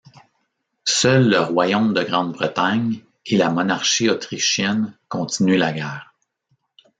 Seuls le royaume de Grande-Bretagne et la monarchie autrichienne continuent la guerre.